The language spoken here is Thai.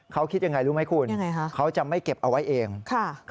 เขาคิดอย่างไรรู้ไหมคุณเขาจะไม่เก็บเอาไว้เองค่ะยังไงค่ะ